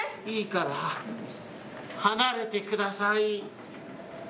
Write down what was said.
いいから、離れてください。